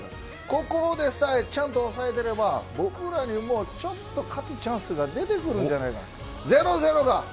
ここでさえちゃんと抑えていれば僕らにも勝つチャンスがででくるんじゃないかと。